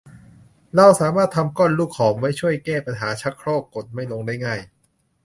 เราสามารถทำก้อนลูกหอมไว้ช่วยแก้ปัญหาชักโครกกดไม่ลงได้ง่าย